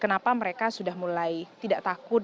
kenapa mereka sudah mulai tidak takut